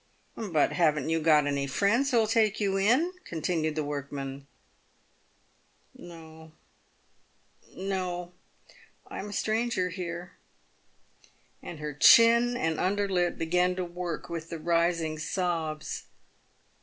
PAVED WITH GOLD. "But haven't you got any friends who'll take you in ?" continued the workman. " No, no ; I'm a stranger here." And her chin and under lip began to work with the rising sobs.